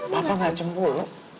papa gak cemburu